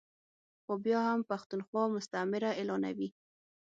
خو بیا هم پښتونخوا مستعمره اعلانوي ا